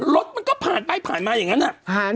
รถมันก็ผ่านไปผ่านมาอย่างนั้นอะ